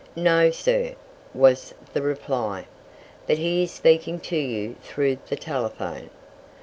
"No, sir," was the reply, "but he is speaking to you through the telephone."